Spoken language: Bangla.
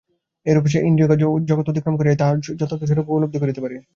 এইরূপে সে ইন্দ্রিয়গ্রাহ্য জগৎ অতিক্রম করিয়াই তাহার যথার্থ স্বরূপ উপলব্ধি করিতে পারে।